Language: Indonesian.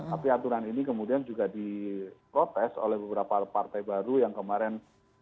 tapi aturan ini kemudian juga diprotes oleh beberapa partai baru yang kemarin